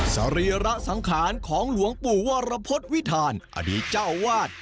สรีระสังขารของหลวงปู่วรพฤษวิทานอดีตเจ้าวาด